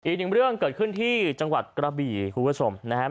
อีกหนึ่งเรื่องเกิดขึ้นที่จังหวัดกระบี่คุณผู้ชมนะครับ